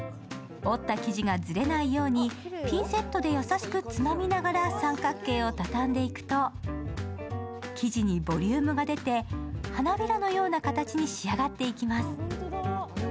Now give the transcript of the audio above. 折った生地がずれないようにピンセットで優しく包みながら三角形を畳んでいくと、生地にボリュームが出て花びらのような形に仕上がっていきます。